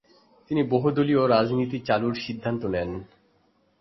তিনি বহুদলীয় রাজনীতি চালুর সিদ্ধান্ত নেন।